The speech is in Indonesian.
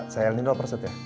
saya nino perset ya